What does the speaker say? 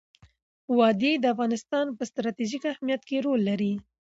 وادي د افغانستان په ستراتیژیک اهمیت کې رول لري.